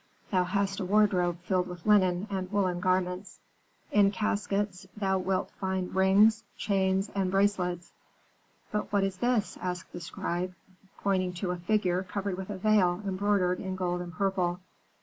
Thou hast a wardrobe filled with linen and woollen garments; in caskets thou wilt find rings, chains, and bracelets.' "'But what is this?' asked the scribe, pointing to a figure covered with a veil embroidered in gold and purple.